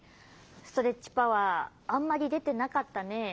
ストレッチパワーあんまりでてなかったね。